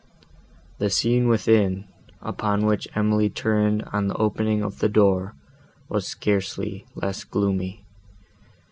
The scene within, upon which Emily turned on the opening of the door, was scarcely less gloomy.